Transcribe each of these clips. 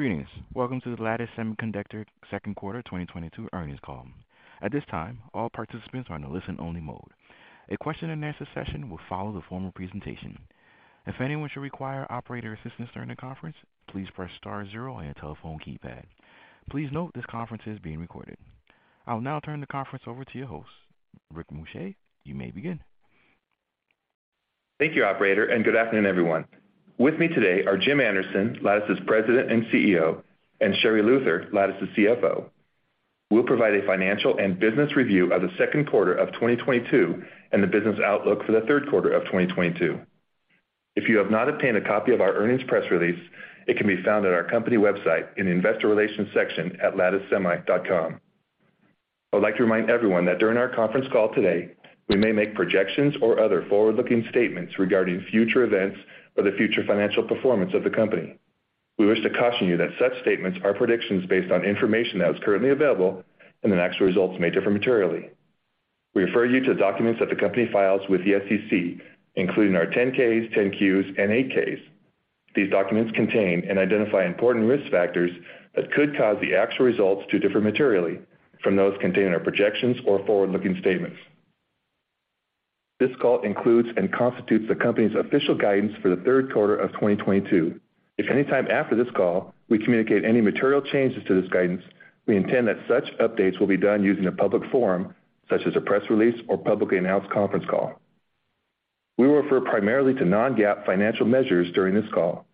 Greetings. Welcome to the Lattice Semiconductor second quarter 2022 earnings call. At this time, all participants are in a listen-only mode. A question-and-answer session will follow the formal presentation. If anyone should require operator assistance during the conference, please press star zero on your telephone keypad. Please note this conference is being recorded. I'll now turn the conference over to your host, Rick Muscha. You may begin. Thank you, operator, and good afternoon, everyone. With me today are Jim Anderson, Lattice's President and CEO, and Sherri Luther, Lattice's CFO, will provide a financial and business review of the second quarter of 2022 and the business outlook for the third quarter of 2022. If you have not obtained a copy of our earnings press release, it can be found at our company website in the investor relations section at latticesemi.com. I would like to remind everyone that during our conference call today, we may make projections or other forward-looking statements regarding future events or the future financial performance of the company. We wish to caution you that such statements are predictions based on information that is currently available and that actual results may differ materially. We refer you to documents that the company files with the SEC, including our 10-Ks, 10-Qs, and 8-Ks. These documents contain and identify important risk factors that could cause the actual results to differ materially from those contained in our projections or forward-looking statements. This call includes and constitutes the company's official guidance for the third quarter of 2022. If any time after this call we communicate any material changes to this guidance, we intend that such updates will be done using a public forum such as a press release or publicly announced conference call. We refer primarily to non-GAAP financial measures during this call.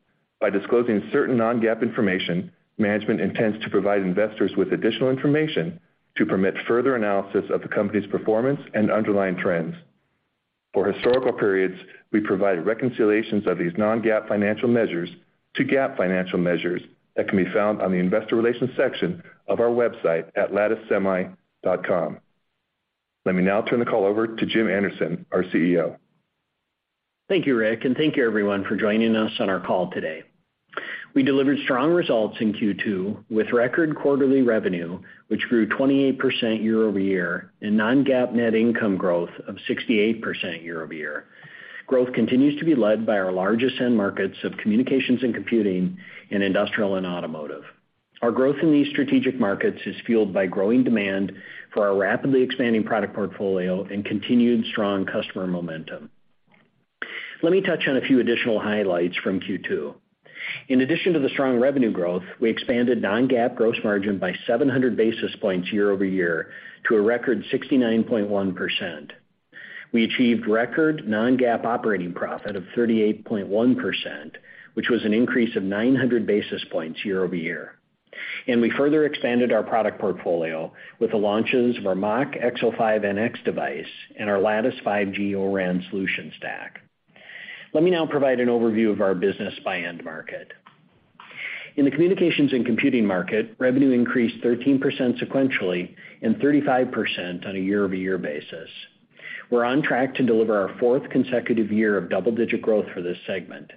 By disclosing certain non-GAAP information, management intends to provide investors with additional information to permit further analysis of the company's performance and underlying trends. For historical periods, we provide reconciliations of these non-GAAP financial measures to GAAP financial measures that can be found on the investor relations section of our website at latticesemi.com. Let me now turn the call over to Jim Anderson, our CEO. Thank you, Rick, and thank you everyone for joining us on our call today. We delivered strong results in Q2 with record quarterly revenue, which grew 28% year-over-year, and non-GAAP net income growth of 68% year-over-year. Growth continues to be led by our largest end markets of communications and computing and industrial and automotive. Our growth in these strategic markets is fueled by growing demand for our rapidly expanding product portfolio and continued strong customer momentum. Let me touch on a few additional highlights from Q2. In addition to the strong revenue growth, we expanded non-GAAP gross margin by 700 basis points year-over-year to a record 69.1%. We achieved record non-GAAP operating profit of 38.1%, which was an increase of 900 basis points year-over-year. We further expanded our product portfolio with the launches of our MachXO5-NX device and our Lattice 5G O-RAN solution stack. Let me now provide an overview of our business by end market. In the communications and computing market, revenue increased 13% sequentially and 35% on a year-over-year basis. We're on track to deliver our fourth consecutive year of double-digit growth for this segment.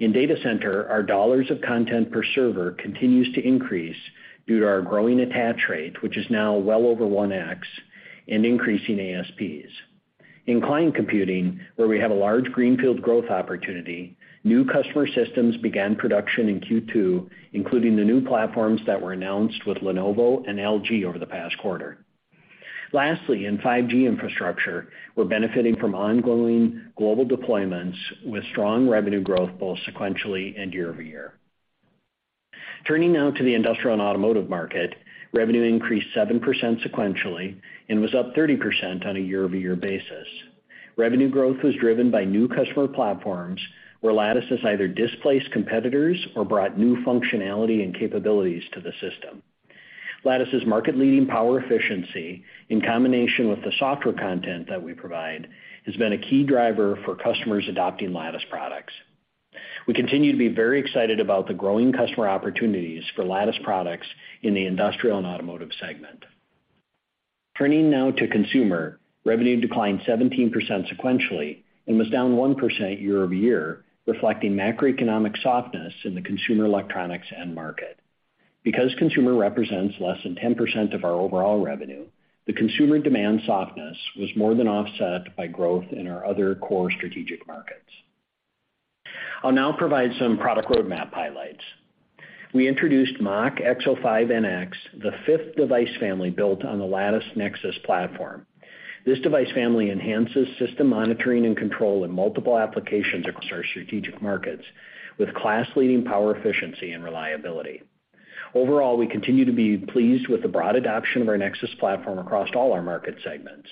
In data center, our dollars of content per server continues to increase due to our growing attach rate, which is now well over 1x, and increasing ASPs. In client computing, where we have a large greenfield growth opportunity, new customer systems began production in Q2, including the new platforms that were announced with Lenovo and LG over the past quarter. Lastly, in 5G infrastructure, we're benefiting from ongoing global deployments with strong revenue growth both sequentially and year-over-year. Turning now to the industrial and automotive market, revenue increased 7% sequentially and was up 30% on a year-over-year basis. Revenue growth was driven by new customer platforms where Lattice has either displaced competitors or brought new functionality and capabilities to the system. Lattice's market-leading power efficiency, in combination with the software content that we provide, has been a key driver for customers adopting Lattice products. We continue to be very excited about the growing customer opportunities for Lattice products in the industrial and automotive segment. Turning now to consumer, revenue declined 17% sequentially and was down 1% year-over-year, reflecting macroeconomic softness in the consumer electronics end market. Because consumer represents less than 10% of our overall revenue, the consumer demand softness was more than offset by growth in our other core strategic markets. I'll now provide some product roadmap highlights. We introduced MachXO5-NX, the fifth device family built on the Lattice Nexus platform. This device family enhances system monitoring and control in multiple applications across our strategic markets with class-leading power efficiency and reliability. Overall, we continue to be pleased with the broad adoption of our Nexus platform across all our market segments.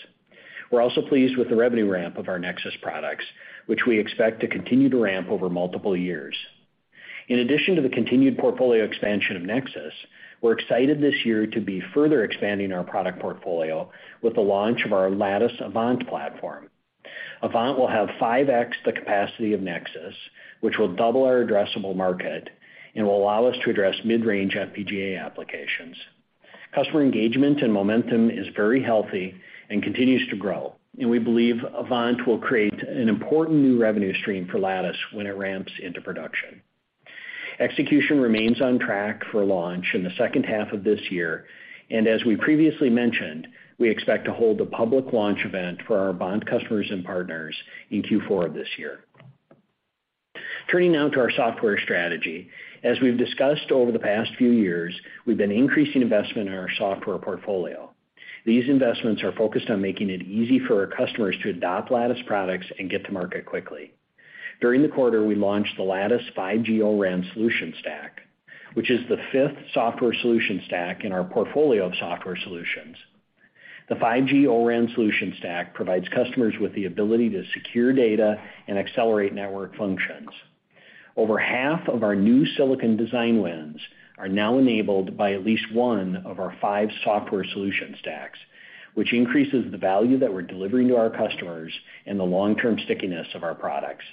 We're also pleased with the revenue ramp of our Nexus products, which we expect to continue to ramp over multiple years. In addition to the continued portfolio expansion of Nexus, we're excited this year to be further expanding our product portfolio with the launch of our Lattice Avant platform. Avant will have 5x the capacity of Nexus, which will double our addressable market and will allow us to address mid-range FPGA applications. Customer engagement and momentum is very healthy and continues to grow, and we believe Avant will create an important new revenue stream for Lattice when it ramps into production. Execution remains on track for launch in the second half of this year, and as we previously mentioned, we expect to hold a public launch event for our Avant customers and partners in Q4 of this year. Turning now to our software strategy. As we've discussed over the past few years, we've been increasing investment in our software portfolio. These investments are focused on making it easy for our customers to adopt Lattice products and get to market quickly. During the quarter, we launched the Lattice 5G O-RAN solution stack, which is the fifth software solution stack in our portfolio of software solutions. The 5G O-RAN solution stack provides customers with the ability to secure data and accelerate network functions. Over half of our new silicon design wins are now enabled by at least one of our five software solution stacks, which increases the value that we're delivering to our customers and the long-term stickiness of our products.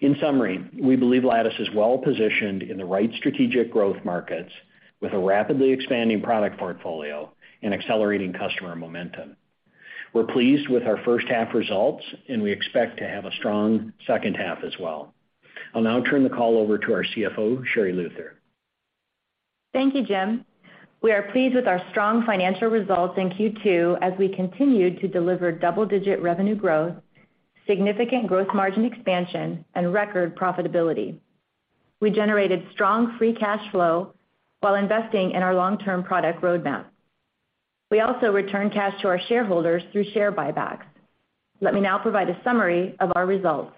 In summary, we believe Lattice is well-positioned in the right strategic growth markets with a rapidly expanding product portfolio and accelerating customer momentum. We're pleased with our first half results, and we expect to have a strong second half as well. I'll now turn the call over to our CFO, Sherri Luther. Thank you, Jim. We are pleased with our strong financial results in Q2 as we continued to deliver double-digit revenue growth, significant gross margin expansion, and record profitability. We generated strong free cash flow while investing in our long-term product roadmap. We also returned cash to our shareholders through share buybacks. Let me now provide a summary of our results.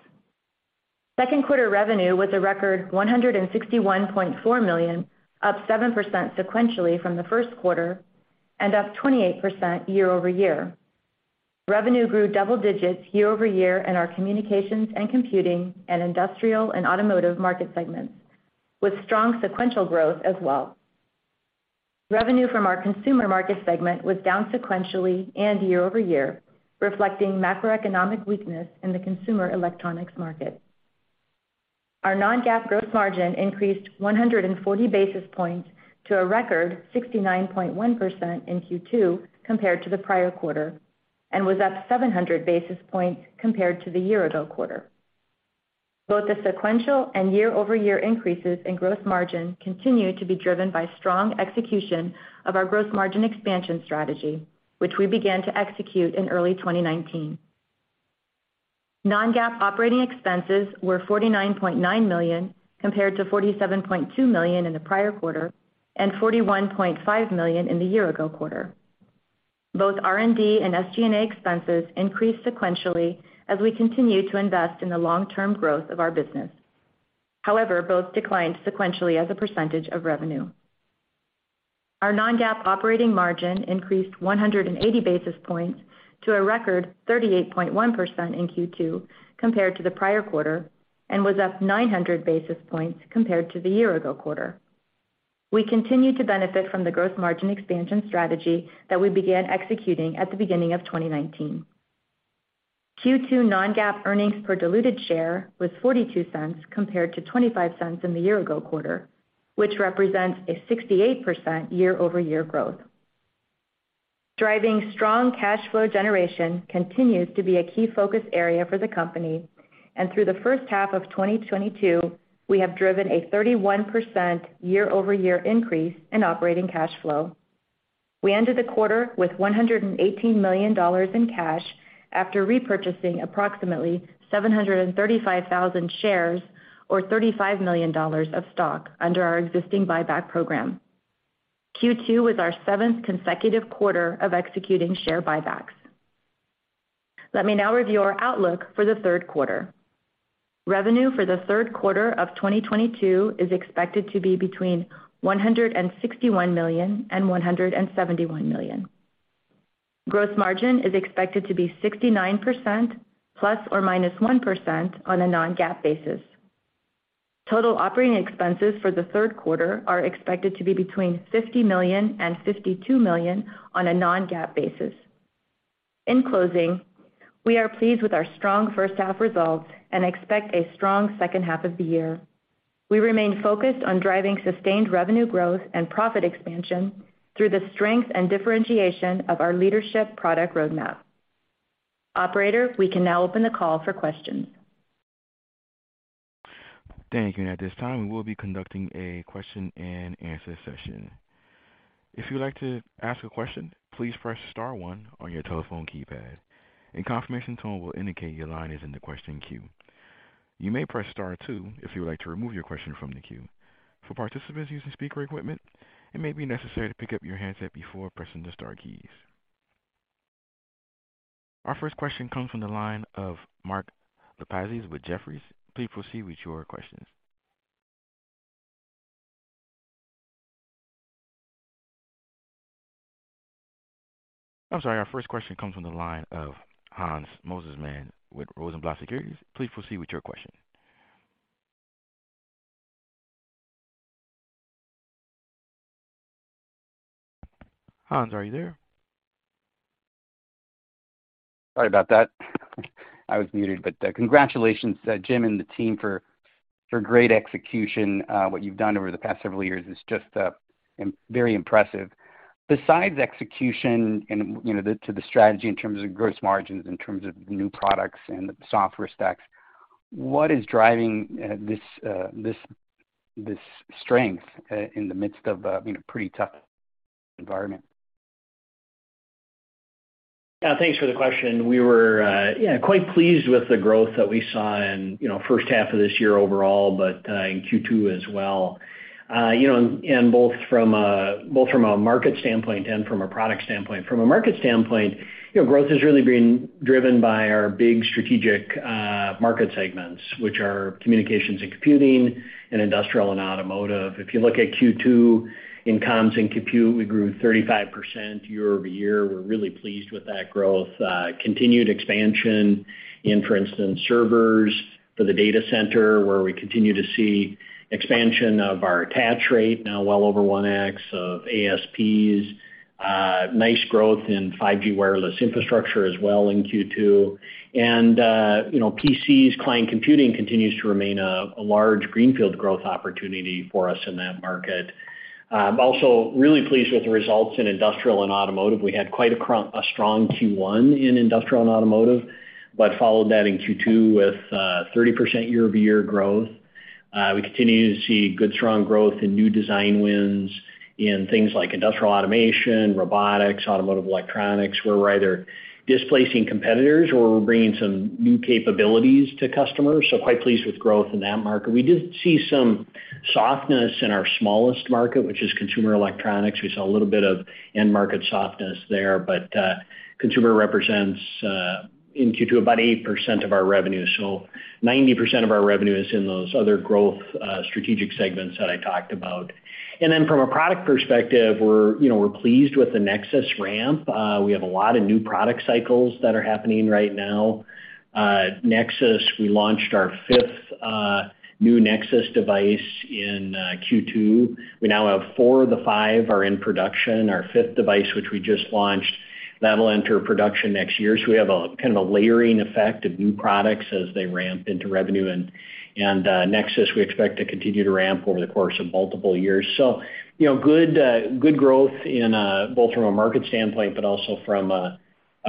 Second quarter revenue with a record $161.4 million, up 7% sequentially from the first quarter and up 28% year-over-year. Revenue grew double digits year-over-year in our communications and computing and industrial and automotive market segments, with strong sequential growth as well. Revenue from our consumer market segment was down sequentially and year-over-year, reflecting macroeconomic weakness in the consumer electronics market. Our non-GAAP gross margin increased 140 basis points to a record 69.1% in Q2 compared to the prior quarter, and was up 700 basis points compared to the year-ago quarter. Both the sequential and year-over-year increases in gross margin continued to be driven by strong execution of our gross margin expansion strategy, which we began to execute in early 2019. Non-GAAP operating expenses were $49.9 million, compared to $47.2 million in the prior quarter and $41.5 million in the year-ago quarter. Both R&D and SG&A expenses increased sequentially as we continue to invest in the long-term growth of our business. However, both declined sequentially as a percentage of revenue. Our non-GAAP operating margin increased 180 basis points to a record 38.1% in Q2 compared to the prior quarter and was up 900 basis points compared to the year-ago quarter. We continue to benefit from the gross margin expansion strategy that we began executing at the beginning of 2019. Q2 non-GAAP earnings per diluted share was $0.42 compared to $0.25 in the year-ago quarter, which represents a 68% year-over-year growth. Driving strong cash flow generation continues to be a key focus area for the company. Through the first half of 2022, we have driven a 31% year-over-year increase in operating cash flow. We ended the quarter with $118 million in cash after repurchasing approximately 735,000 shares or $35 million of stock under our existing buyback program. Q2 was our 7th consecutive quarter of executing share buybacks. Let me now review our outlook for the third quarter. Revenue for the third quarter of 2022 is expected to be between $161 million and $171 million. Gross margin is expected to be 69% ± 1% on a non-GAAP basis. Total operating expenses for the third quarter are expected to be between $50 million and $52 million on a non-GAAP basis. In closing, we are pleased with our strong first half results and expect a strong second half of the year. We remain focused on driving sustained revenue growth and profit expansion through the strength and differentiation of our leadership product roadmap. Operator, we can now open the call for questions. Thank you. At this time, we will be conducting a question and answer session. If you would like to ask a question, please press star one on your telephone keypad. A confirmation tone will indicate your line is in the question queue. You may press star two if you would like to remove your question from the queue. For participants using speaker equipment, it may be necessary to pick up your handset before pressing the star keys. Our first question comes from the line of Mark Lipacis with Jefferies. Please proceed with your questions. I'm sorry. Our first question comes from the line of Hans Mosesmann with Rosenblatt Securities. Please proceed with your question. Hans, are you there? Sorry about that. I was muted, but congratulations, Jim and the team for great execution. What you've done over the past several years is just very impressive. Besides execution and the strategy in terms of gross margins, in terms of new products and software stacks, what is driving this strength in the midst of pretty tough environment? Yeah, thanks for the question. We were quite pleased with the growth that we saw in, you know, first half of this year overall, but in Q2 as well. You know, both from a market standpoint and from a product standpoint. From a market standpoint, you know, growth has really been driven by our big strategic market segments, which are communications and computing and industrial and automotive. If you look at Q2, in comms and compute, we grew 35% year-over-year. We're really pleased with that growth. Continued expansion in, for instance, servers for the data center, where we continue to see expansion of our attach rate, now well over 1x of ASPs. Nice growth in 5G wireless infrastructure as well in Q2. You know, PCs, client computing continues to remain a large greenfield growth opportunity for us in that market. Also really pleased with the results in industrial and automotive. We had quite a strong Q1 in industrial and automotive, but followed that in Q2 with 30% year-over-year growth. We continue to see good, strong growth in new design wins in things like industrial automation, robotics, automotive electronics. We're either displacing competitors or we're bringing some new capabilities to customers, so quite pleased with growth in that market. We did see some softness in our smallest market, which is consumer electronics. We saw a little bit of end market softness there, but consumer represents, in Q2, about 8% of our revenue. 90% of our revenue is in those other growth, strategic segments that I talked about. From a product perspective, we're, you know, we're pleased with the Nexus ramp. We have a lot of new product cycles that are happening right now. Nexus, we launched our fifth new Nexus device in Q2. We now have four of the five are in production. Our fifth device, which we just launched, that'll enter production next year. We have a kind of a layering effect of new products as they ramp into revenue. Nexus, we expect to continue to ramp over the course of multiple years. You know, good growth in both from a market standpoint, but also from a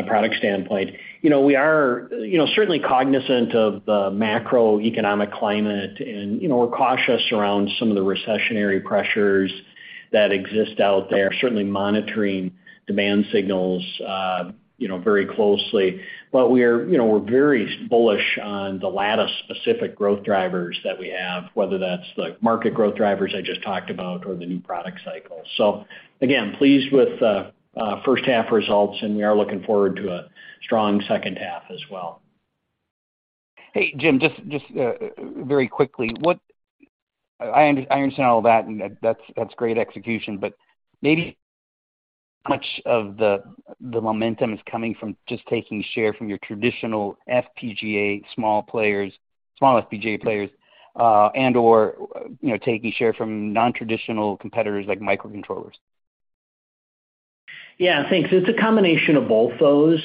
product standpoint. You know, we are, you know, certainly cognizant of the macroeconomic climate and, you know, we're cautious around some of the recessionary pressures that exist out there, certainly monitoring demand signals, you know, very closely. But we're, you know, we're very bullish on the Lattice specific growth drivers that we have, whether that's the market growth drivers I just talked about or the new product cycles. So again, pleased with the first half results, and we are looking forward to a strong second half as well. Hey, Jim, just very quickly. I understand all that, and that's great execution, but maybe much of the momentum is coming from just taking share from your traditional FPGA small players, small FPGA players, and/or, you know, taking share from non-traditional competitors like microcontrollers. Yeah, thanks. It's a combination of both those.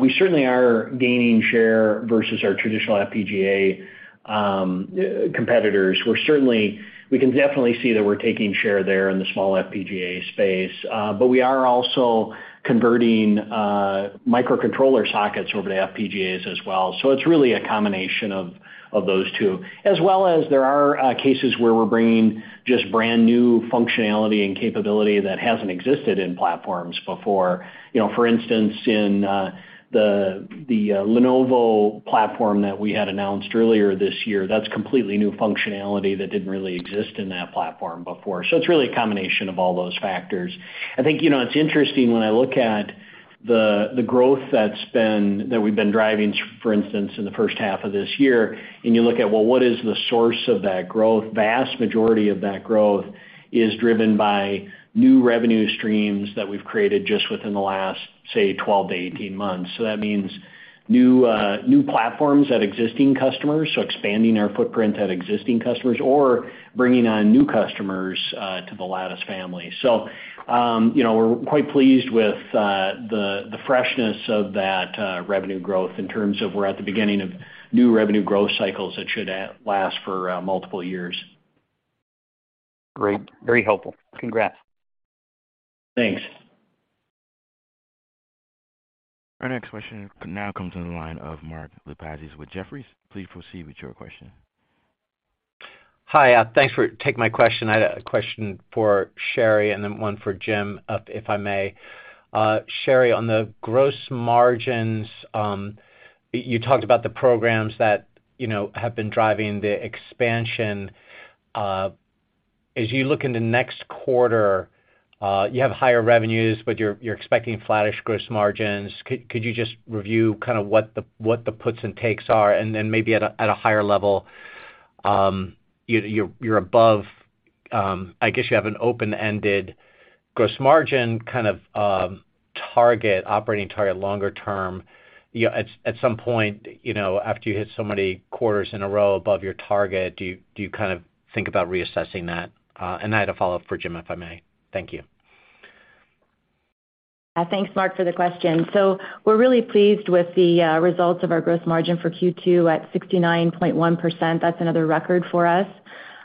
We certainly are gaining share versus our traditional FPGA competitors. We can definitely see that we're taking share there in the small FPGA space, but we are also converting microcontroller sockets over to FPGAs as well. It's really a combination of those two. As well as there are cases where we're bringing just brand new functionality and capability that hasn't existed in platforms before. You know, for instance, in the Lenovo platform that we had announced earlier this year. That's completely new functionality that didn't really exist in that platform before. It's really a combination of all those factors. I think, you know, it's interesting when I look at the growth that we've been driving, for instance, in the first half of this year, and you look at, well, what is the source of that growth. Vast majority of that growth is driven by new revenue streams that we've created just within the last, say, 12-18 months. That means new platforms at existing customers, so expanding our footprint at existing customers or bringing on new customers to the Lattice family. You know, we're quite pleased with the freshness of that revenue growth in terms of we're at the beginning of new revenue growth cycles that should last for multiple years. Great. Very helpful. Congrats. Thanks. Our next question now comes on the line of Mark Lipacis with Jefferies. Please proceed with your question. Hi. Thanks for taking my question. I had a question for Sherri and then one for Jim, if I may. Sherri, on the gross margins, you talked about the programs that, you know, have been driving the expansion. As you look in the next quarter, you have higher revenues, but you're expecting flattish gross margins. Could you just review kind of what the puts and takes are? And then maybe at a higher level, you're above, I guess you have an open-ended gross margin kind of target, operating target longer term. You know, at some point, you know, after you hit so many quarters in a row above your target, do you kind of think about reassessing that? I had a follow-up for Jim, if I may. Thank you. Thanks, Mark, for the question. We're really pleased with the results of our gross margin for Q2 at 69.1%. That's another record for us,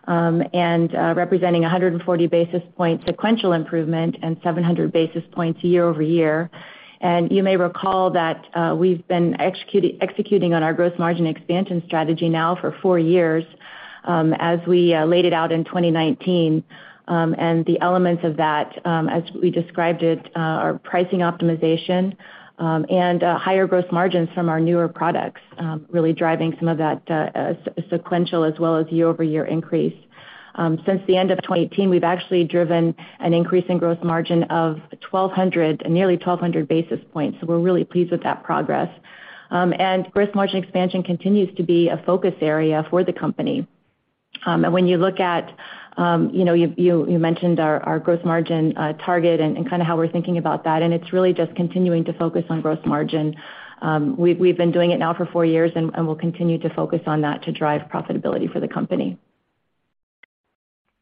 representing 140 basis points sequential improvement and 700 basis points year-over-year. You may recall that we've been executing on our gross margin expansion strategy now for four years. As we laid it out in 2019, the elements of that, as we described it, are pricing optimization, and higher gross margins from our newer products, really driving some of that sequential as well as year-over-year increase. Since the end of 2018, we've actually driven an increase in gross margin of 1,200, nearly 1,200 basis points. We're really pleased with that progress. Gross margin expansion continues to be a focus area for the company. When you look at you know, you mentioned our gross margin target and kind of how we're thinking about that, and it's really just continuing to focus on gross margin. We've been doing it now for four years and we'll continue to focus on that to drive profitability for the company.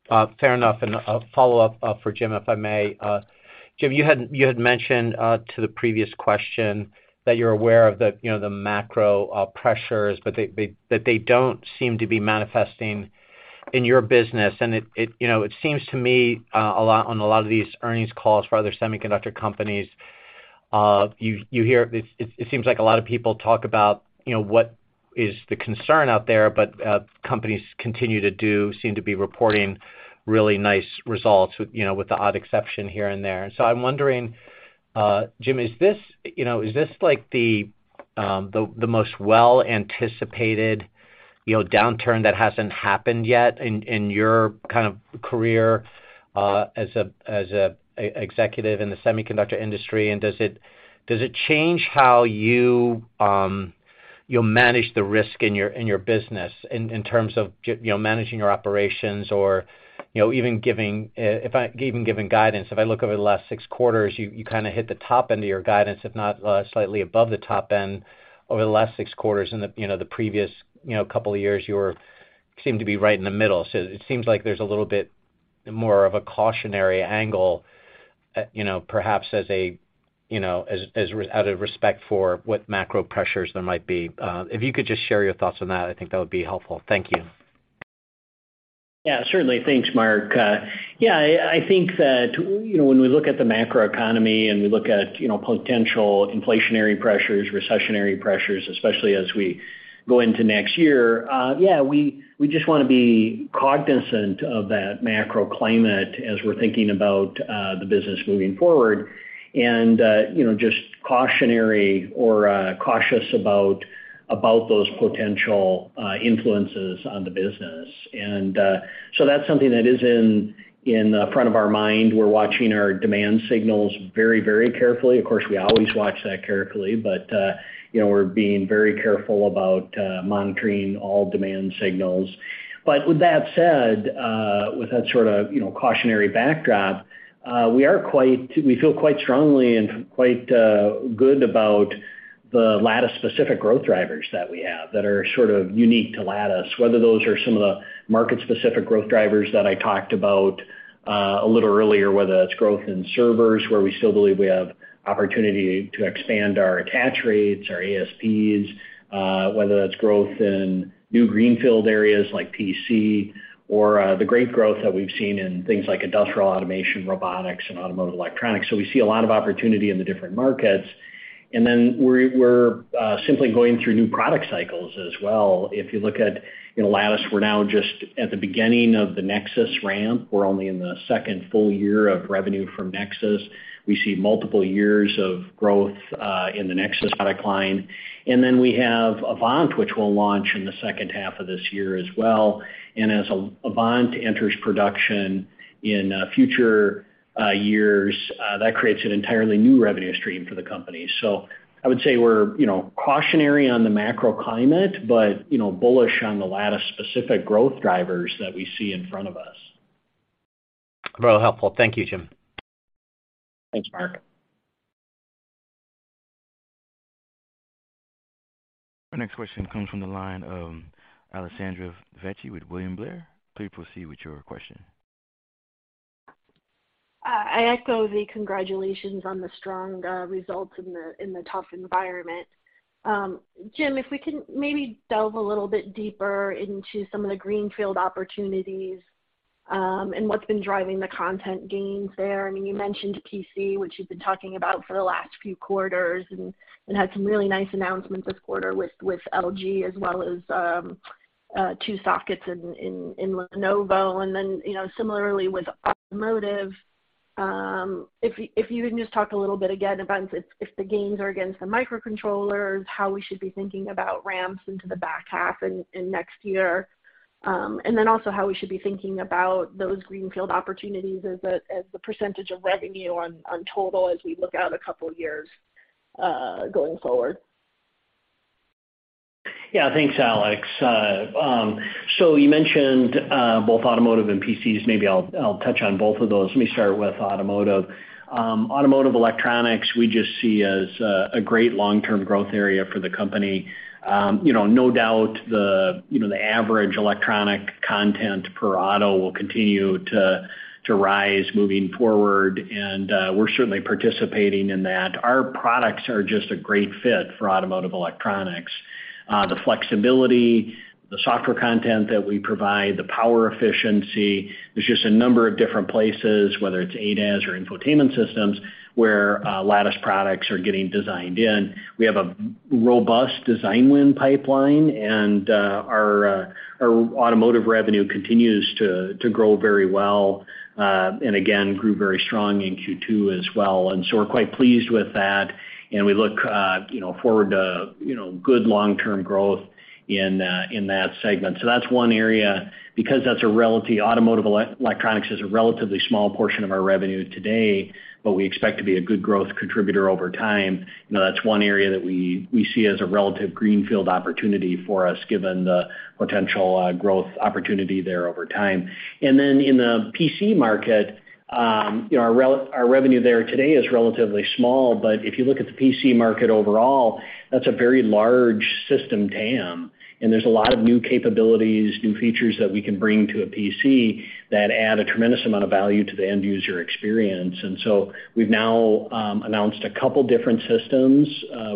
Fair enough. A follow-up for Jim, if I may. Jim, you had mentioned to the previous question that you're aware of the, you know, the macro pressures, but that they don't seem to be manifesting in your business. It, you know, it seems to me on a lot of these earnings calls for other semiconductor companies, you hear it seems like a lot of people talk about, you know, what is the concern out there, but companies continue to seem to be reporting really nice results with, you know, with the odd exception here and there. I'm wondering, Jim, is this, you know, is this like the most well-anticipated, you know, downturn that hasn't happened yet in your kind of career as an executive in the semiconductor industry? Does it change how you manage the risk in your business in terms of you know, managing your operations or, you know, even giving guidance? If I look over the last six quarters, you kind of hit the top end of your guidance, if not slightly above the top end over the last six quarters. In the previous, you know, couple of years, you seemed to be right in the middle. It seems like there's a little bit more of a cautionary angle, you know, perhaps as a, you know, out of respect for what macro pressures there might be. If you could just share your thoughts on that, I think that would be helpful. Thank you. Yeah, certainly. Thanks, Mark. Yeah, I think that, you know, when we look at the macroeconomy and we look at, you know, potential inflationary pressures, recessionary pressures, especially as we go into next year, yeah, we just wanna be cognizant of that macroclimate as we're thinking about the business moving forward and, you know, just cautionary or cautious about those potential influences on the business. That's something that is in the front of our mind. We're watching our demand signals very, very carefully. Of course, we always watch that carefully, but, you know, we're being very careful about monitoring all demand signals. With that said, with that sort of, you know, cautionary backdrop, we feel quite strongly and quite good about the Lattice-specific growth drivers that we have that are sort of unique to Lattice. Whether those are some of the market-specific growth drivers that I talked about a little earlier, whether that's growth in servers, where we still believe we have opportunity to expand our attach rates, our ASPs, whether that's growth in new greenfield areas like PC or the great growth that we've seen in things like industrial automation, robotics, and automotive electronics. We see a lot of opportunity in the different markets. Then we're simply going through new product cycles as well. If you look at, you know, Lattice, we're now just at the beginning of the Nexus ramp. We're only in the second full year of revenue from Nexus. We see multiple years of growth in the Nexus product line. We have Avant, which we'll launch in the second half of this year as well. As Avant enters production in future years, that creates an entirely new revenue stream for the company. I would say we're, you know, cautionary on the macroclimate, but, you know, bullish on the Lattice specific growth drivers that we see in front of us. Very helpful. Thank you, Jim. Thanks, Mark. Our next question comes from the line of Alessandra Vecchi with William Blair. Please proceed with your question. I echo the congratulations on the strong results in the tough environment. Jim, if we can maybe delve a little bit deeper into some of the greenfield opportunities, and what's been driving the content gains there. I mean, you mentioned PC, which you've been talking about for the last few quarters, and had some really nice announcements this quarter with LG as well as two sockets in Lenovo. Then, you know, similarly with automotive, if you can just talk a little bit again about if the gains are against the microcontrollers, how we should be thinking about ramps into the back half and next year. Also, how we should be thinking about those greenfield opportunities as a percentage of revenue on total as we look out a couple years going forward. Yeah. Thanks, Alex. You mentioned both automotive and PCs. Maybe I'll touch on both of those. Let me start with automotive. Automotive electronics, we just see as a great long-term growth area for the company. You know, no doubt the average electronic content per auto will continue to rise moving forward, and we're certainly participating in that. Our products are just a great fit for automotive electronics. The flexibility, the software content that we provide, the power efficiency. There's just a number of different places, whether it's ADAS or infotainment systems, where Lattice products are getting designed in. We have a robust design win pipeline, and our automotive revenue continues to grow very well, and again, grew very strong in Q2 as well. We're quite pleased with that, and we look you know forward to you know good long-term growth in that segment. That's one area. Because automotive electronics is a relatively small portion of our revenue today, but we expect to be a good growth contributor over time. You know, that's one area that we see as a relative greenfield opportunity for us, given the potential growth opportunity there over time. In the PC market, you know, our revenue there today is relatively small. If you look at the PC market overall, that's a very large system TAM, and there's a lot of new capabilities, new features that we can bring to a PC that add a tremendous amount of value to the end user experience. We've now announced a couple different systems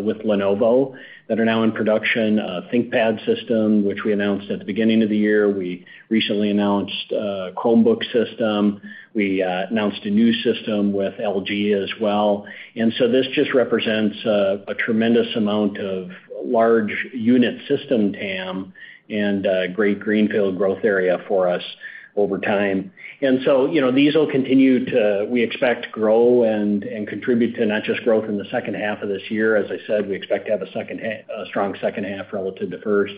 with Lenovo that are now in production. A ThinkPad system, which we announced at the beginning of the year. We recently announced a Chromebook system. We announced a new system with LG as well. This just represents a tremendous amount of large unit system TAM and a great greenfield growth area for us over time. You know, these will continue to, we expect, grow and contribute to not just growth in the second half of this year. As I said, we expect to have a strong second half relative to first.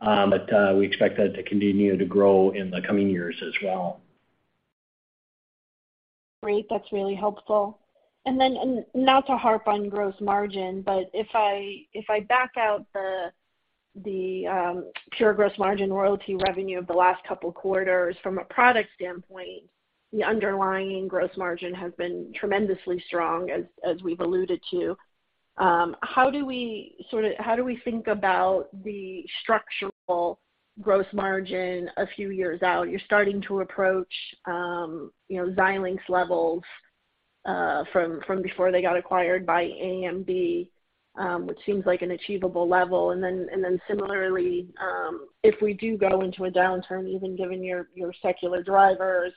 We expect that to continue to grow in the coming years as well. Great. That's really helpful. Not to harp on gross margin, but if I back out the pure gross margin royalty revenue of the last couple quarters from a product standpoint, the underlying gross margin has been tremendously strong, as we've alluded to. How do we think about the structural gross margin a few years out? You're starting to approach Xilinx levels from before they got acquired by AMD, which seems like an achievable level. Similarly, if we do go into a downturn, even given your secular drivers,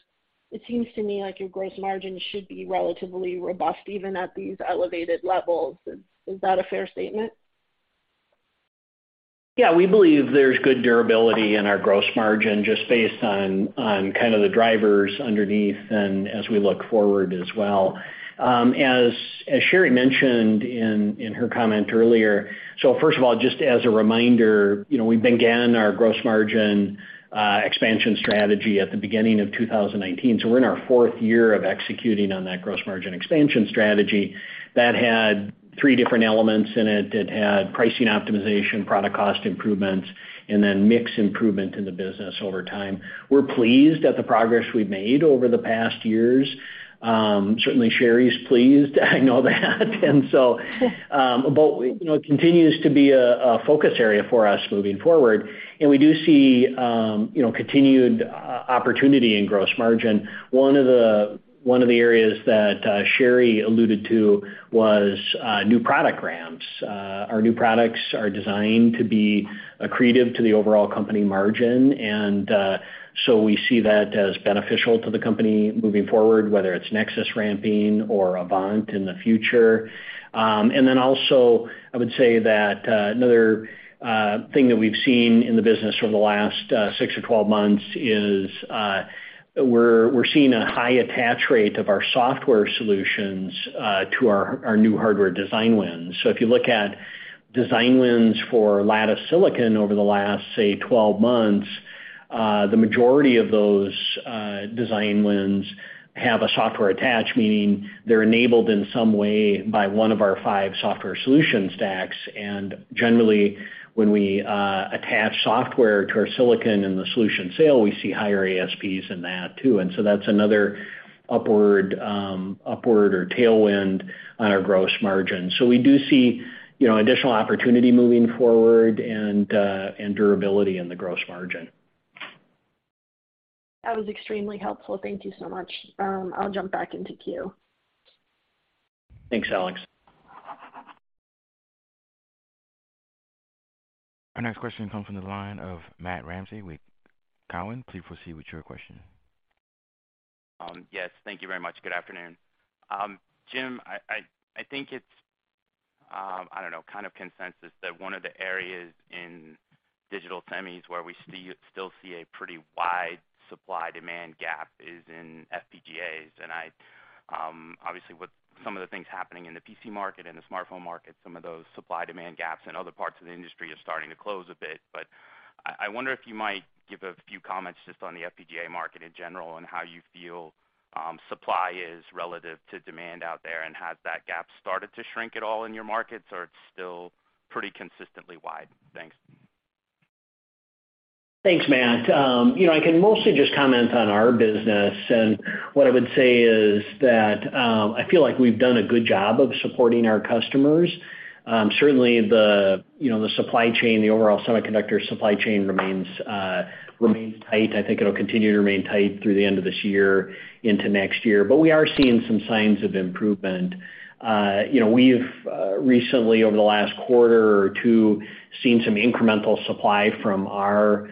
it seems to me like your gross margin should be relatively robust even at these elevated levels. Is that a fair statement? Yeah. We believe there's good durability in our gross margin just based on kind of the drivers underneath and as we look forward as well. As Sherri mentioned in her comment earlier, first of all, just as a reminder, you know, we began our gross margin expansion strategy at the beginning of 2019. We're in our fourth year of executing on that gross margin expansion strategy. That had three different elements in it. It had pricing optimization, product cost improvements, and then mix improvement in the business over time. We're pleased at the progress we've made over the past years. Certainly Sherri's pleased. I know that. You know, it continues to be a focus area for us moving forward. We do see, you know, continued opportunity in gross margin. One of the areas that Sherri alluded to was new product ramps. Our new products are designed to be accretive to the overall company margin. We see that as beneficial to the company moving forward, whether it's Nexus ramping or Avant in the future. I would say that another thing that we've seen in the business over the last six or 12 months is we're seeing a high attach rate of our software solutions to our new hardware design wins. If you look at design wins for Lattice Silicon over the last, say, 12 months, the majority of those design wins have a software attach, meaning they're enabled in some way by one of our five software solution stacks. Generally, when we attach software to our silicon in the solution sale, we see higher ASPs in that too. That's another upward or tailwind on our gross margin. We do see, you know, additional opportunity moving forward and durability in the gross margin. That was extremely helpful. Thank you so much. I'll jump back into queue. Thanks, Alex. Our next question comes from the line of Matt Ramsay with Cowen. Please proceed with your question. Yes. Thank you very much. Good afternoon. Jim, I think it's, I don't know, kind of consensus that one of the areas in digital semis where we still see a pretty wide supply-demand gap is in FPGAs. I obviously, with some of the things happening in the PC market and the smartphone market, some of those supply-demand gaps in other parts of the industry are starting to close a bit. I wonder if you might give a few comments just on the FPGA market in general and how you feel, supply is relative to demand out there. Has that gap started to shrink at all in your markets, or it's still pretty consistently wide? Thanks. Thanks, Matt. You know, I can mostly just comment on our business. What I would say is that, I feel like we've done a good job of supporting our customers. Certainly the, you know, the supply chain, the overall semiconductor supply chain remains tight. I think it'll continue to remain tight through the end of this year into next year. We are seeing some signs of improvement. You know, we've recently, over the last quarter or two, seen some incremental supply from our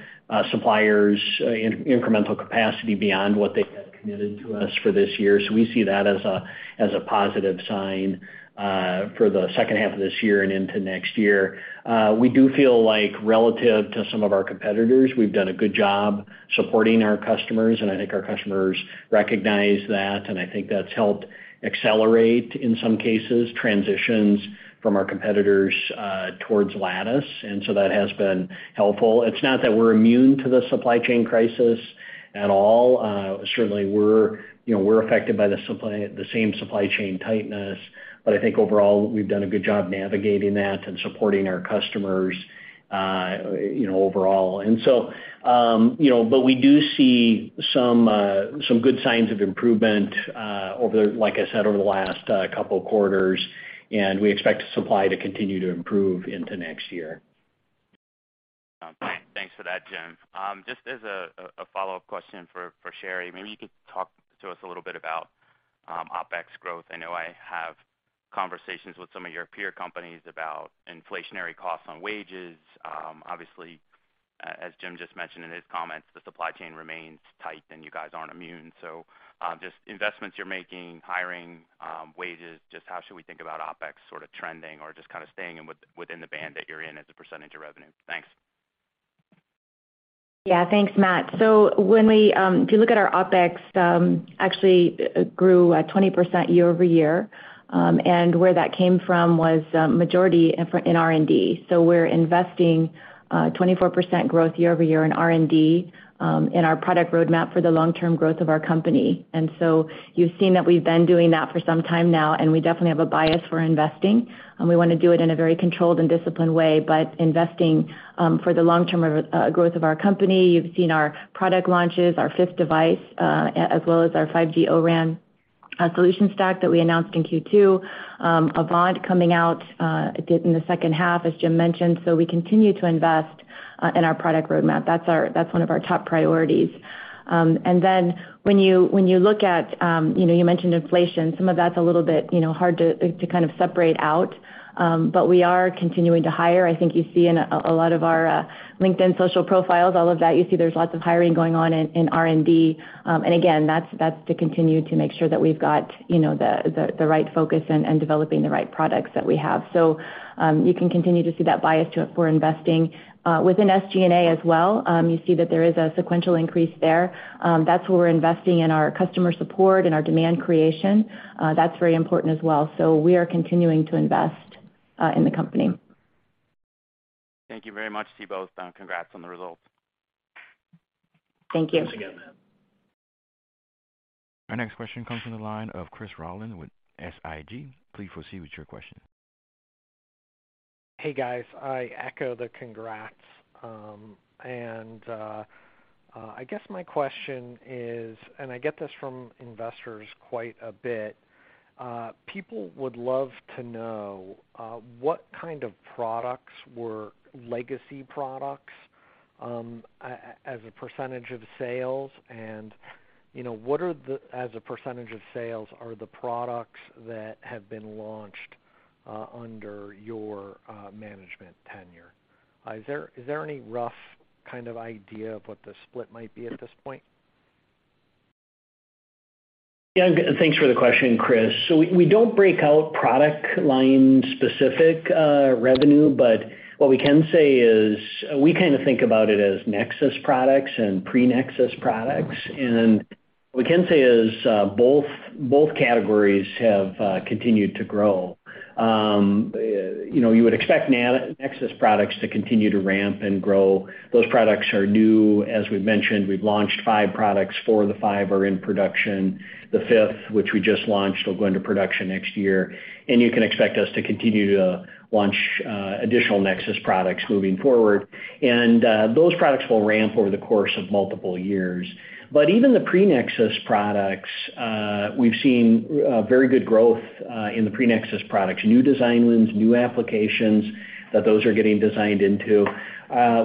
suppliers, incremental capacity beyond what they had committed to us for this year. We see that as a positive sign for the second half of this year and into next year. We do feel like relative to some of our competitors, we've done a good job supporting our customers, and I think our customers recognize that, and I think that's helped accelerate, in some cases, transitions from our competitors towards Lattice, and so that has been helpful. It's not that we're immune to the supply chain crisis at all. Certainly, you know, we're affected by the same supply chain tightness. But I think overall, we've done a good job navigating that and supporting our customers, you know, overall. You know, we do see some good signs of improvement, like I said, over the last couple quarters, and we expect supply to continue to improve into next year. Thanks for that, Jim. Just as a follow-up question for Sherry. Maybe you could talk to us a little bit about OpEx growth. I know I have conversations with some of your peer companies about inflationary costs on wages. Obviously, as Jim just mentioned in his comments, the supply chain remains tight, and you guys aren't immune. Just investments you're making, hiring, wages, just how should we think about OpEx sort of trending or just kind of staying within the band that you're in as a percentage of revenue? Thanks. Yeah. Thanks, Matt. If you look at our OpEx, actually it grew 20% year-over-year. Where that came from was majority in R&D. We're investing 24% growth year-over-year in R&D in our product roadmap for the long-term growth of our company. You've seen that we've been doing that for some time now, and we definitely have a bias for investing, and we wanna do it in a very controlled and disciplined way. Investing for the long-term of growth of our company. You've seen our product launches, our fifth device, as well as our 5G O-RAN solution stack that we announced in Q2. Avant coming out in the second half, as Jim mentioned. We continue to invest in our product roadmap. That's one of our top priorities. And then when you look at, you know, you mentioned inflation, some of that's a little bit, you know, hard to kind of separate out. But we are continuing to hire. I think you see in a lot of our LinkedIn social profiles, all of that, you see there's lots of hiring going on in R&D. And again, that's to continue to make sure that we've got, you know, the right focus and developing the right products that we have. You can continue to see that bias for investing within SG&A as well, you see that there is a sequential increase there. That's where we're investing in our customer support and our demand creation. That's very important as well. We are continuing to invest in the company. Thank you very much to you both, and congrats on the results. Thank you. Thanks again, Matt. Our next question comes from the line of Chris Rolland with SIG. Please proceed with your question. Hey, guys. I echo the congrats. I guess my question is, and I get this from investors quite a bit, people would love to know, what kind of products were legacy products, as a percentage of sales. You know, what are the, as a percentage of sales, are the products that have been launched, under your management tenure? Is there any rough kind of idea of what the split might be at this point? Yeah, thanks for the question, Chris. We don't break out product line specific revenue, but what we can say is we kind of think about it as Nexus products and pre-Nexus products. What we can say is, both categories have continued to grow. You know, you would expect Nexus products to continue to ramp and grow. Those products are new. As we've mentioned, we've launched five products. Four of the five are in production. The fifth, which we just launched, will go into production next year. You can expect us to continue to launch additional Nexus products moving forward. Those products will ramp over the course of multiple years. Even the pre-Nexus products, we've seen very good growth in the pre-Nexus products. New design wins, new applications that those are getting designed into.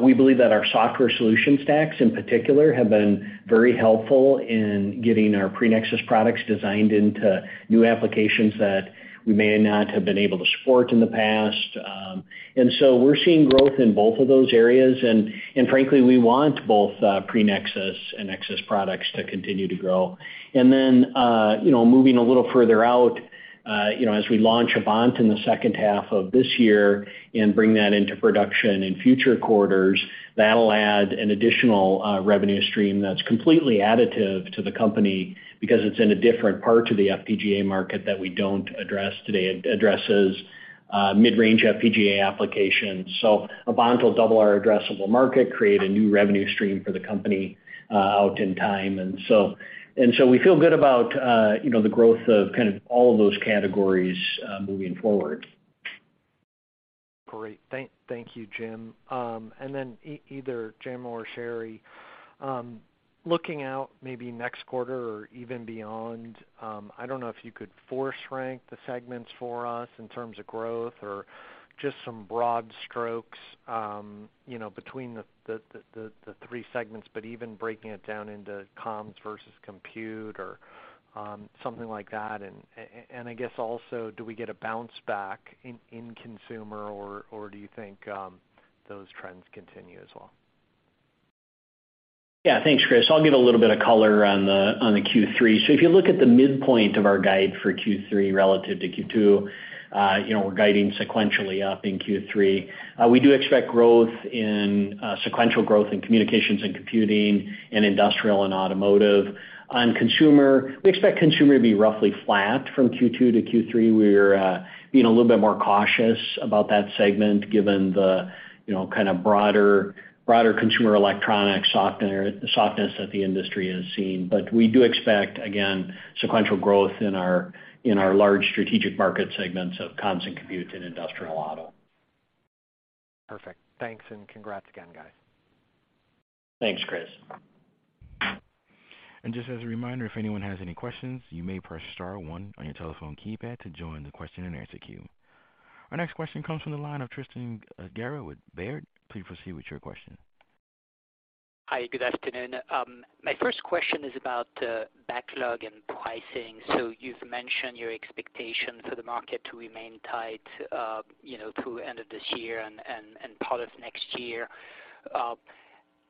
We believe that our software solution stacks in particular have been very helpful in getting our pre-Nexus products designed into new applications that we may not have been able to support in the past. We're seeing growth in both of those areas. Frankly, we want both pre-Nexus and Nexus products to continue to grow. You know, moving a little further out, you know, as we launch Avant in the second half of this year and bring that into production in future quarters, that'll add an additional revenue stream that's completely additive to the company because it's in a different part of the FPGA market that we don't address today. It addresses mid-range FPGA applications. Avant will double our addressable market, create a new revenue stream for the company over time. We feel good about, you know, the growth of kind of all of those categories moving forward. Great. Thank you, Jim. Either Jim or Sherri, looking out maybe next quarter or even beyond, I don't know if you could force rank the segments for us in terms of growth or just some broad strokes, you know, between the three segments, but even breaking it down into comms versus compute or, something like that. I guess also, do we get a bounce back in consumer or do you think those trends continue as well? Yeah. Thanks, Chris. I'll give a little bit of color on the Q3. If you look at the midpoint of our guide for Q3 relative to Q2, you know, we're guiding sequentially up in Q3. We do expect growth in sequential growth in communications and computing and industrial and automotive. On consumer, we expect consumer to be roughly flat from Q2 to Q3. We're being a little bit more cautious about that segment given the, you know, kind of broader consumer electronics softness that the industry has seen. We do expect, again, sequential growth in our large strategic market segments of comms and compute and industrial auto. Perfect. Thanks, and congrats again, guys. Thanks, Chris. Just as a reminder, if anyone has any questions, you may press star one on your telephone keypad to join the question-and-answer queue. Our next question comes from the line of Tristan Gerra with Baird. Please proceed with your question. Hi. Good afternoon. My first question is about backlog and pricing. You've mentioned your expectation for the market to remain tight, you know, through end of this year and part of next year.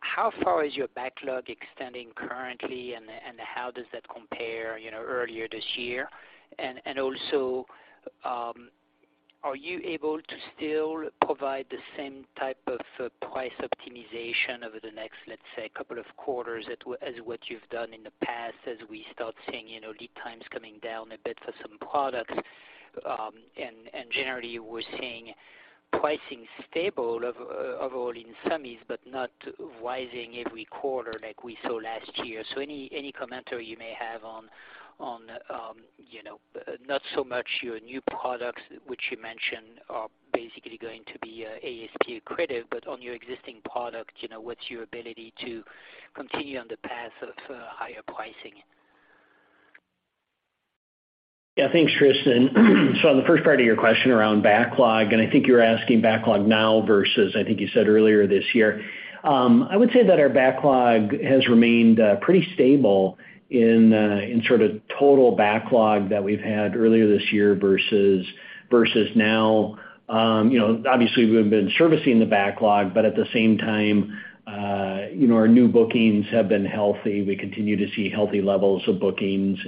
How far is your backlog extending currently, and how does that compare, you know, earlier this year? Also, are you able to still provide the same type of price optimization over the next, let's say, couple of quarters as what you've done in the past as we start seeing, you know, lead times coming down a bit for some products? Generally, we're seeing pricing stable of all in semis but not rising every quarter like we saw last year. Any commentary you may have on, you know, not so much your new products which you mentioned are basically going to be ASP accretive, but on your existing product, you know, what's your ability to continue on the path of higher pricing? Yeah. Thanks, Tristan. On the first part of your question around backlog, I think you're asking backlog now versus, I think you said earlier this year. I would say that our backlog has remained pretty stable in sort of total backlog that we've had earlier this year versus now. You know, obviously, we've been servicing the backlog, but at the same time, you know, our new bookings have been healthy. We continue to see healthy levels of bookings.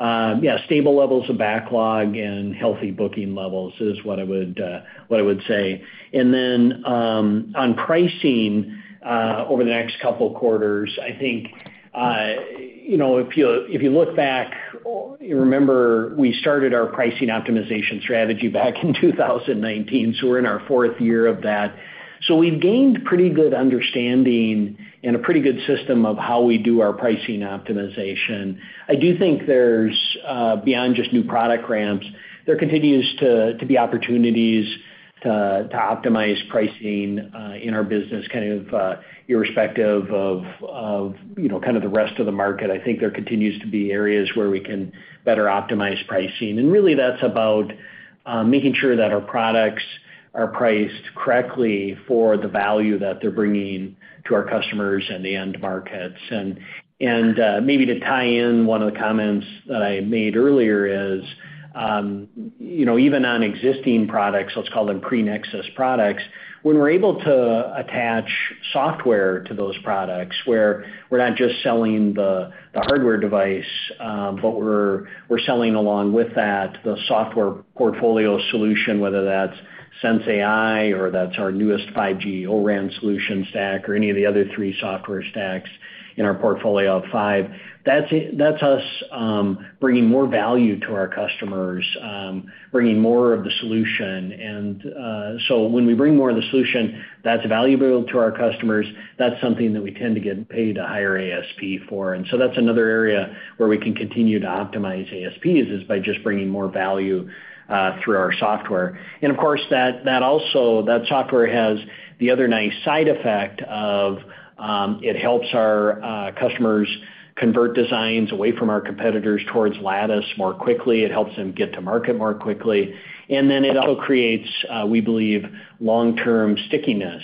Yeah, stable levels of backlog and healthy booking levels is what I would say. On pricing, over the next couple quarters, I think, you know, if you look back, you remember we started our pricing optimization strategy back in 2019, so we're in our fourth year of that. We've gained pretty good understanding and a pretty good system of how we do our pricing optimization. I do think there's, beyond just new product ramps, there continues to be opportunities to optimize pricing, in our business kind of irrespective of, you know, kind of the rest of the market. I think there continues to be areas where we can better optimize pricing. Really that's about making sure that our products are priced correctly for the value that they're bringing to our customers and the end markets. Maybe to tie in one of the comments that I made earlier is, you know, even on existing products, let's call them pre-Nexus products, when we're able to attach software to those products, where we're not just selling the hardware device, but we're selling along with that the software portfolio solution, whether that's sensAI or that's our newest 5G O-RAN solution stack or any of the other three software stacks in our portfolio of five, that's us bringing more value to our customers, bringing more of the solution. When we bring more of the solution, that's valuable to our customers. That's something that we tend to get paid a higher ASP for. That's another area where we can continue to optimize ASPs by just bringing more value through our software. Of course, that software has the other nice side effect of, it helps our customers convert designs away from our competitors towards Lattice more quickly. It helps them get to market more quickly. It also creates, we believe, long-term stickiness,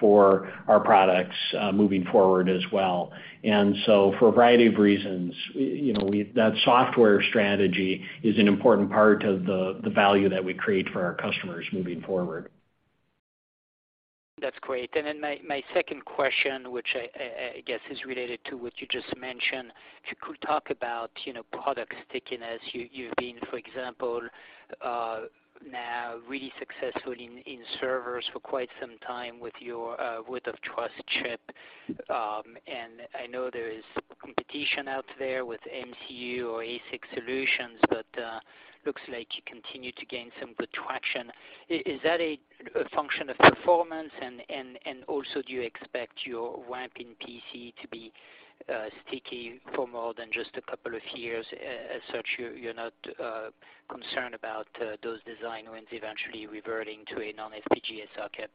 for our products, moving forward as well. For a variety of reasons, you know, that software strategy is an important part of the value that we create for our customers moving forward. That's great. Then my second question, which I guess is related to what you just mentioned. If you could talk about, you know, product stickiness. You've been, for example, now really successful in servers for quite some time with your root of trust chip. And I know there is competition out there with MCU or ASIC solutions, but looks like you continue to gain some good traction. Is that a function of performance? And also, do you expect your ramp in PC to be sticky for more than just a couple of years. As such, you're not concerned about those design wins eventually reverting to a non-FPGA socket?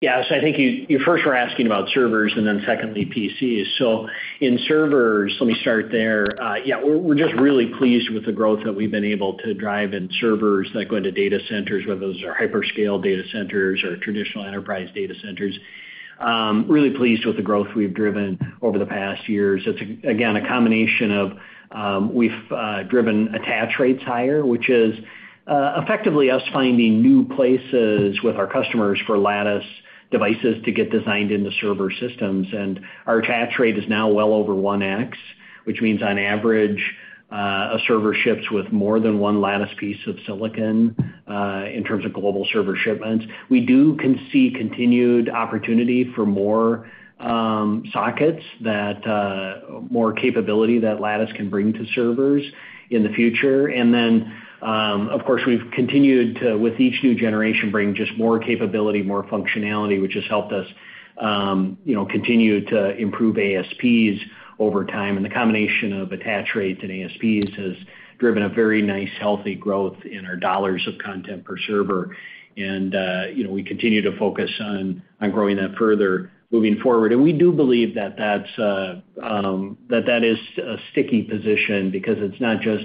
Yes, I think you first were asking about servers and then secondly, PCs. In servers, let me start there. Yeah, we're just really pleased with the growth that we've been able to drive in servers that go into data centers, whether those are hyperscale data centers or traditional enterprise data centers. Really pleased with the growth we've driven over the past years. It's again a combination of we've driven attach rates higher, which is effectively us finding new places with our customers for Lattice devices to get designed into server systems. Our attach rate is now well over one X, which means on average a server ships with more than one Lattice piece of silicon in terms of global server shipments. We can see continued opportunity for more sockets that more capability that Lattice can bring to servers in the future. Of course, we've continued to, with each new generation, bring just more capability, more functionality, which has helped us continue to improve ASPs over time. The combination of attach rates and ASPs has driven a very nice, healthy growth in our dollars of content per server. We continue to focus on growing that further moving forward. We do believe that that's that is a sticky position because it's not just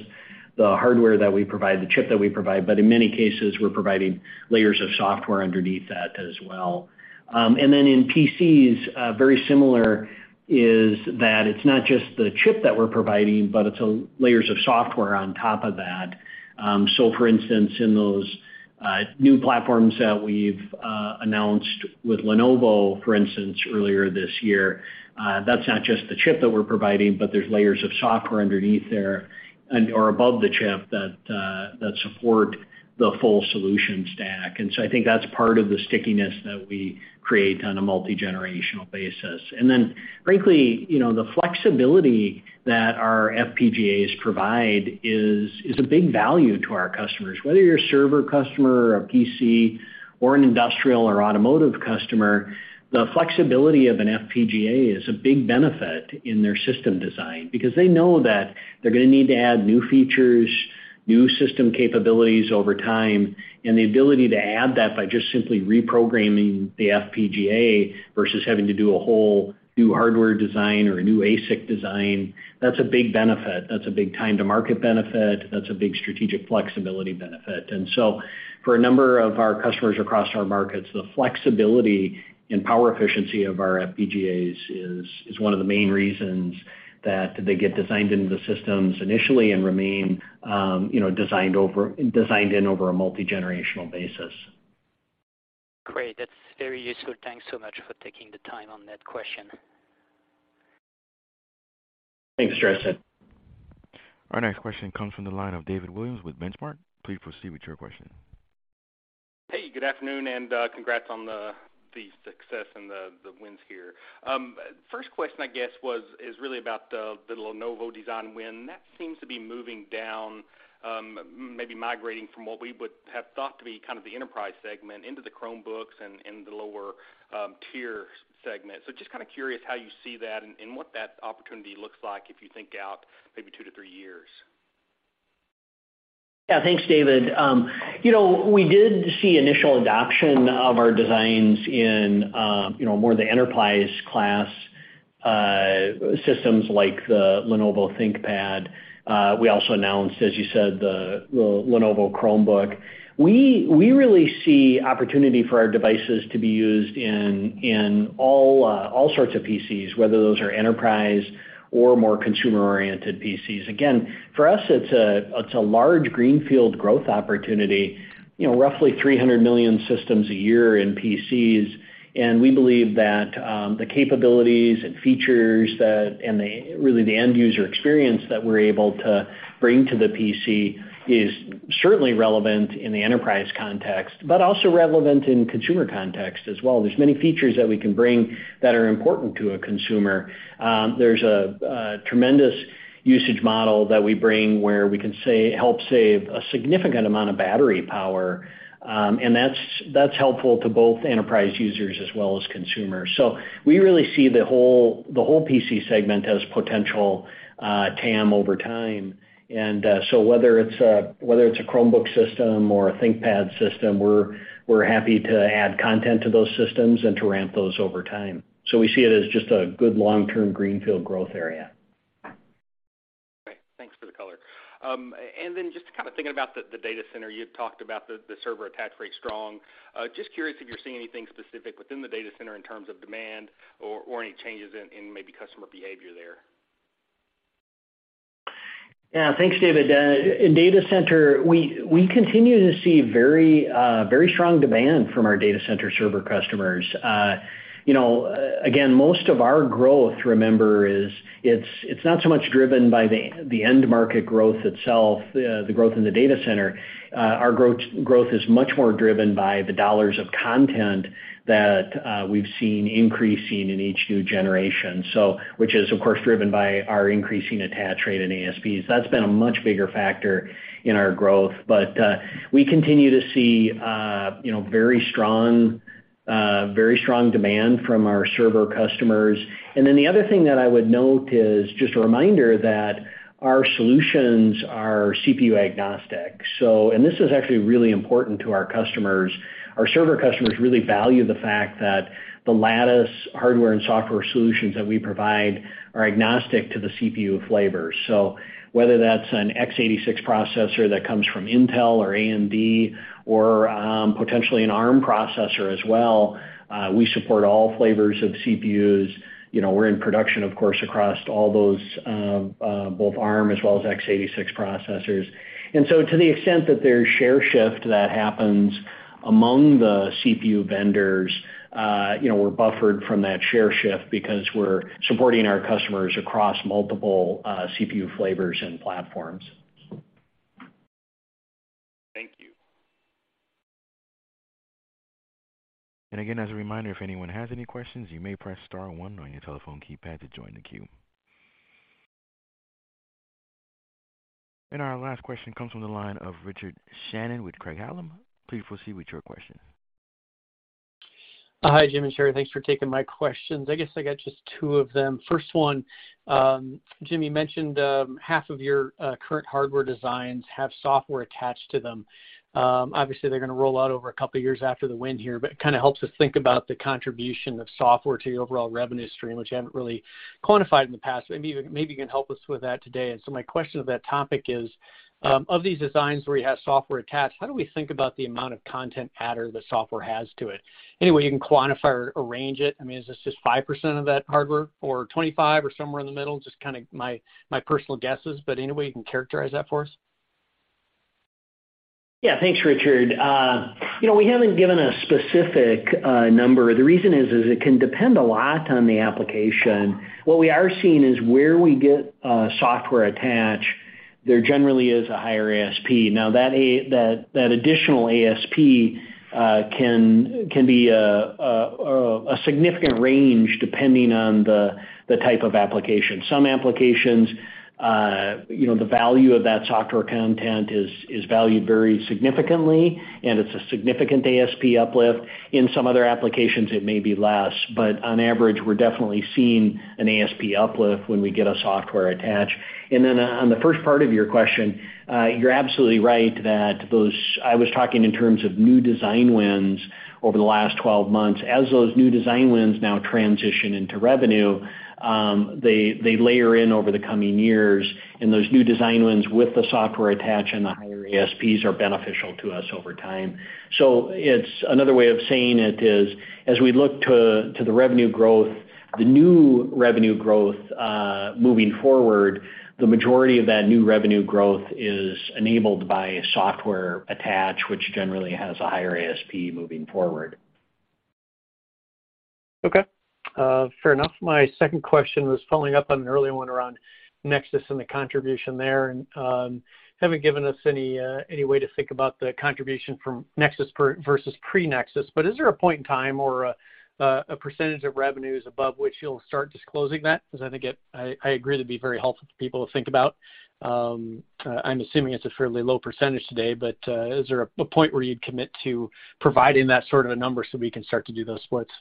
the hardware that we provide, the chip that we provide, but in many cases, we're providing layers of software underneath that as well. In PCs, very similar is that it's not just the chip that we're providing, but it's layers of software on top of that. For instance, in those new platforms that we've announced with Lenovo, for instance, earlier this year, that's not just the chip that we're providing, but there's layers of software underneath there and or above the chip that that support the full solution stack. I think that's part of the stickiness that we create on a multigenerational basis. Frankly, you know, the flexibility that our FPGAs provide is a big value to our customers. Whether you're a server customer, a PC or an industrial or automotive customer, the flexibility of an FPGA is a big benefit in their system design because they know that they're gonna need to add new features, new system capabilities over time, and the ability to add that by just simply reprogramming the FPGA versus having to do a whole new hardware design or a new ASIC design, that's a big benefit. That's a big time to market benefit. That's a big strategic flexibility benefit. For a number of our customers across our markets, the flexibility and power efficiency of our FPGAs is one of the main reasons that they get designed into the systems initially and remain, you know, designed in over a multigenerational basis. Great. That's very useful. Thanks so much for taking the time on that question. Thanks, Tristan. Our next question comes from the line of David Williams with Benchmark. Please proceed with your question. Hey, good afternoon, and congrats on the success and the wins here. First question, I guess, is really about the Lenovo design win. That seems to be moving down, maybe migrating from what we would have thought to be kind of the enterprise segment into the Chromebooks and the lower tier segment. Just kind of curious how you see that and what that opportunity looks like if you think out maybe two to three years. Yeah. Thanks, David. You know, we did see initial adoption of our designs in more the enterprise class systems like the Lenovo ThinkPad. We also announced, as you said, the Lenovo Chromebook. We really see opportunity for our devices to be used in all sorts of PCs, whether those are enterprise or more consumer-oriented PCs. Again, for us, it's a large greenfield growth opportunity, you know, roughly 300 million systems a year in PCs. We believe that the capabilities and features and the really end user experience that we're able to bring to the PC is certainly relevant in the enterprise context, but also relevant in consumer context as well. There's many features that we can bring that are important to a consumer. There's a tremendous usage model that we bring where we can say help save a significant amount of battery power. That's helpful to both enterprise users as well as consumers. We really see the whole PC segment as potential TAM over time. Whether it's a Chromebook system or a ThinkPad system, we're happy to add content to those systems and to ramp those over time. We see it as just a good long-term greenfield growth area. Great. Thanks for the color. Just kind of thinking about the data center, you had talked about the server attach rate strong. Just curious if you're seeing anything specific within the data center in terms of demand or any changes in maybe customer behavior there. Yeah. Thanks, David. In data center, we continue to see very strong demand from our data center server customers. You know, again, most of our growth, remember, is not so much driven by the end market growth itself, the growth in the data center. Our growth is much more driven by the dollars of content that we've seen increasing in each new generation. Which is of course driven by our increasing attach rate in ASPs. That's been a much bigger factor in our growth. We continue to see, you know, very strong demand from our server customers. Then the other thing that I would note is just a reminder that our solutions are CPU agnostic. This is actually really important to our customers. Our server customers really value the fact that the Lattice hardware and software solutions that we provide are agnostic to the CPU flavors. Whether that's an x86 processor that comes from Intel or AMD or, potentially an Arm processor as well, we support all flavors of CPUs. You know, we're in production, of course, across all those, both Arm as well as x86 processors. To the extent that there's share shift that happens among the CPU vendors, you know, we're buffered from that share shift because we're supporting our customers across multiple CPU flavors and platforms. Thank you. Again, as a reminder, if anyone has any questions, you may press star one on your telephone keypad to join the queue. Our last question comes from the line of Richard Shannon with Craig-Hallum. Please proceed with your question. Hi, Jim and Sherri. Thanks for taking my questions. I guess I got just two of them. First one, Jim, you mentioned half of your current hardware designs have software attached to them. Obviously they're gonna roll out over a couple of years after the win here, but it kind of helps us think about the contribution of software to your overall revenue stream, which you haven't really quantified in the past. Maybe you can help us with that today. My question to that topic is, of these designs where you have software attached, how do we think about the amount of content adder the software has to it? Any way you can quantify or arrange it? I mean, is this just 5% of that hardware or 25 or somewhere in the middle? Just kind of my personal guesses, but any way you can characterize that for us? Yeah. Thanks, Richard. You know, we haven't given a specific number. The reason is it can depend a lot on the application. What we are seeing is where we get software attached, there generally is a higher ASP. Now that additional ASP can be a significant range depending on the type of application. Some applications, you know, the value of that software content is valued very significantly, and it's a significant ASP uplift. In some other applications, it may be less, but on average, we're definitely seeing an ASP uplift when we get a software attached. On the first part of your question, you're absolutely right that I was talking in terms of new design wins over the last 12 months. As those new design wins now transition into revenue, they layer in over the coming years. Those new design wins with the software attached and the higher ASPs are beneficial to us over time. It's another way of saying it is, as we look to the revenue growth, the new revenue growth moving forward, the majority of that new revenue growth is enabled by software attached, which generally has a higher ASP moving forward. Okay, fair enough. My second question was following up on an earlier one around Nexus and the contribution there and, haven't given us any way to think about the contribution from Nexus versus pre-Nexus. But is there a point in time or a percentage of revenues above which you'll start disclosing that? Because I think it. I agree it'd be very helpful for people to think about. I'm assuming it's a fairly low percentage today, but, is there a point where you'd commit to providing that sort of a number so we can start to do those splits?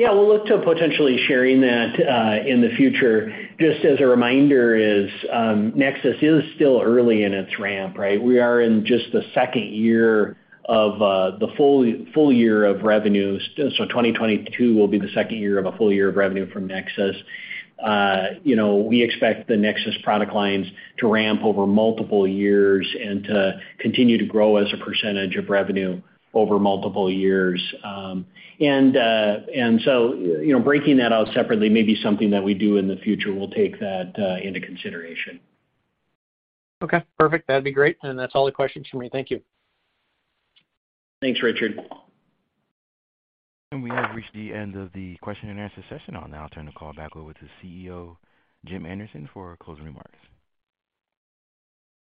Yeah, we'll look to potentially sharing that in the future. Just as a reminder is, Nexus is still early in its ramp, right? We are in just the second year of the full year of revenues. 2022 will be the second year of a full year of revenue from Nexus. You know, we expect the Nexus product lines to ramp over multiple years and to continue to grow as a percentage of revenue over multiple years. You know, breaking that out separately may be something that we do in the future. We'll take that into consideration. Okay, perfect. That'd be great. That's all the questions from me. Thank you. Thanks, Richard. We have reached the end of the question and answer session. I'll now turn the call back over to CEO, Jim Anderson, for closing remarks.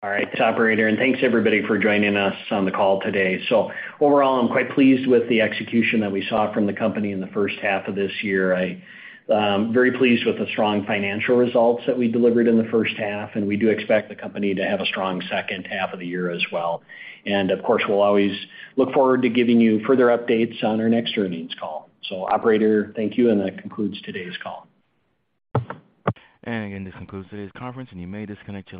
All right. It's the operator, and thanks everybody for joining us on the call today. Overall, I'm quite pleased with the execution that we saw from the company in the first half of this year. I'm very pleased with the strong financial results that we delivered in the first half, and we do expect the company to have a strong second half of the year as well. Of course, we'll always look forward to giving you further updates on our next earnings call. Operator, thank you, and that concludes today's call. Again, this concludes today's conference, and you may disconnect your line.